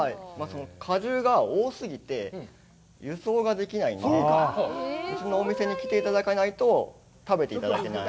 果汁が多すぎて輸送ができないんで、うちのお店に来ていただかないと食べていただけない。